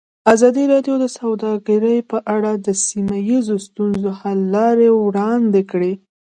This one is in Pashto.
ازادي راډیو د سوداګري په اړه د سیمه ییزو ستونزو حل لارې راوړاندې کړې.